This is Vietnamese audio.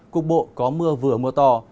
cục bộ có mưa vừa mưa to